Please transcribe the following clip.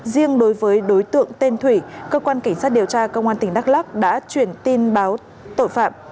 riêng đối với đối tượng tên thủy cơ quan cảnh sát điều tra cơ quan tỉnh đắk lắk đã chuyển tin báo tội phạm